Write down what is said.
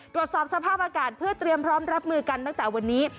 ตรวจสอบสภาพอากาศเพื่อเตรียมพร้อมรับมือกันตั้งแต่วันนี้